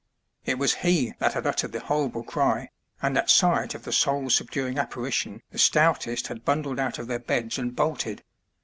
It was he that had uttered the horrible cry, and at sight of the Boul subduing apparition the stoutest had bundled out of their beds and bolted.